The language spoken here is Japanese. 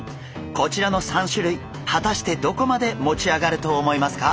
こちらの３種類果たしてどこまで持ち上がると思いますか？